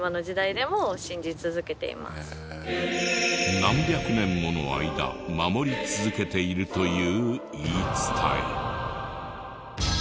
何百年もの間守り続けているという言い伝え。